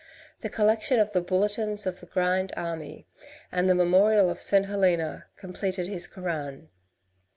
The collection of the Bulletins of the Grand Army, and the Memorial of St. Helena completed his Koran.